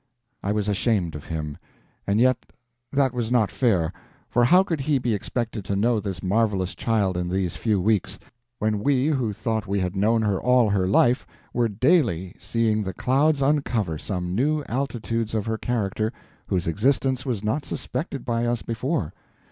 I was ashamed of him. And yet that was not fair, for how could he be expected to know this marvelous child in these few weeks, when we who thought we had known her all her life were daily seeing the clouds uncover some new altitudes of her character whose existence was not suspected by us before?